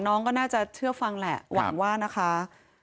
น้องก็น่าจะเชื่อฟังแหละหวังว่านะคะ